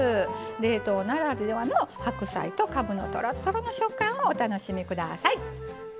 冷凍ならではの白菜とかぶのとろっとろの食感をお楽しみください。